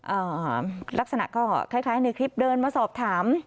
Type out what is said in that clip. อ่าลักษณะก็คล้ายคล้ายในคลิปเดินมาสอบถาม